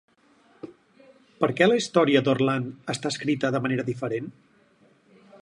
Per què la història d'Orland està escrita de manera diferent?